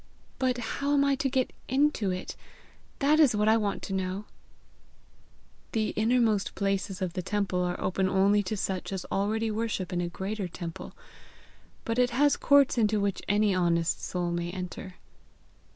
"But how am I to get into it? That is what I want to know." "The innermost places of the temple are open only to such as already worship in a greater temple; but it has courts into which any honest soul may enter."